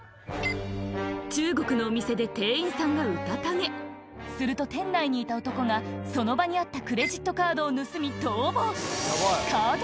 中国のお店で店員さんがうたた寝すると店内にいた男がその場にあったクレジットカードを盗み逃亡